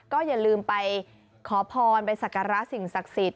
ก็อย่าลืมไปขอพรไปสักการะสิ่งศักดิ์สิทธิ